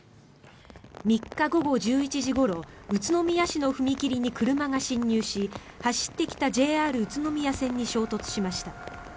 ３日午後１１時ごろ宇都宮市の踏切に車が進入し走ってきたＪＲ宇都宮線に衝突しました。